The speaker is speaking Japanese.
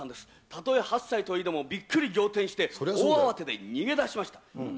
たとえ８歳といえどもびっくり仰天して、大慌てで逃げ出しました。